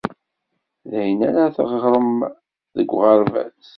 D ayen ara teɣrem deg uɣerbaz.